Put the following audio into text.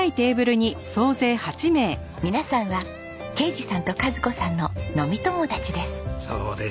皆さんは啓二さんと賀津子さんの飲み友達です。